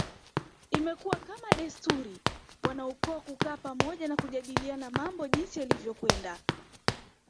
Imekuwa kama desturi wanaukoo kukaa pamoja na kujadiliana mambo jinsi yalivyokwenda